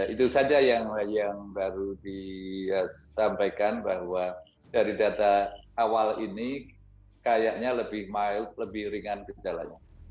itu saja yang baru disampaikan bahwa dari data awal ini kayaknya lebih ringan gejalanya